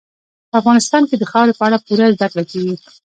په افغانستان کې د خاورې په اړه پوره زده کړه کېږي.